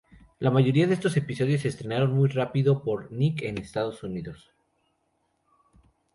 La mayoría de estos episodios se estrenaron muy rápido por Nick en Estados Unidos.